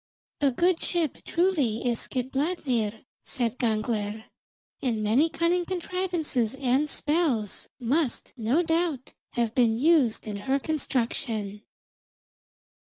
"A good ship truly, is Skidbladnir," said Gangler, "and many cunning contrivances and spells must, no doubt, have been used in her construction."